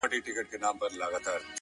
داسي قبـاله مي په وجـود كي ده،